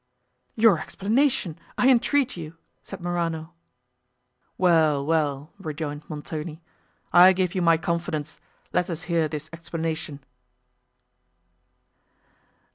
"Your explanation, I entreat you!" said Morano. "Well, well," rejoined Montoni, "I give you my confidence; let us hear this explanation."